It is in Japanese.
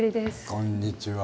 こんにちは。